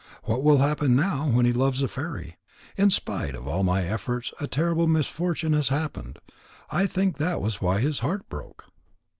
What will happen now, when he loves a fairy? In spite of all my efforts, a terrible misfortune has happened.' I think that was why his heart broke."